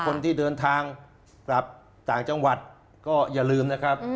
คนที่เดินทางกลับต่างจังหวัดก็อย่าลืมนะครับ